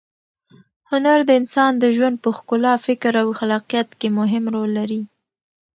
هنر د انسان د ژوند په ښکلا، فکر او خلاقیت کې مهم رول لري.